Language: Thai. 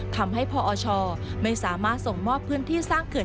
ทำให้พอชไม่สามารถส่งมอบพื้นที่สร้างเขื่อน